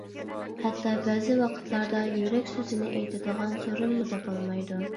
ھەتتا بەزى ۋاقىتلاردا يۈرەك سۆزىنى ئېيتىدىغان سورۇنمۇ تاپالمايدۇ.